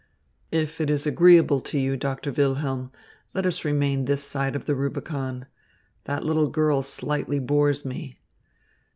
"If it is agreeable to you, Doctor Wilhelm, let us remain this side of the Rubicon. That little girl slightly bores me.